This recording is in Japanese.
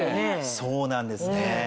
そうなんですね。